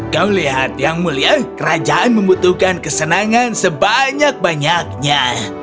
kau lihat yang mulia kerajaan membutuhkan kesenangan sebanyak banyaknya